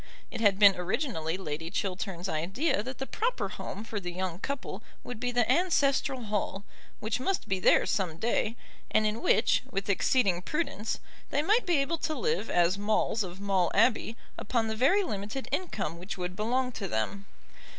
It had been originally Lady Chiltern's idea that the proper home for the young couple would be the ancestral hall, which must be theirs some day, and in which, with exceeding prudence, they might be able to live as Maules of Maule Abbey upon the very limited income which would belong to them.